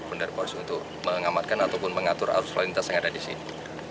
untuk mengamatkan ataupun mengatur arus kualitas yang ada di sini